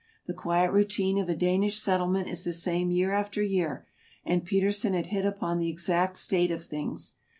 The quiet routine of a Danish settlement is the same year after year, and Petersen had hit upon the exact state of things.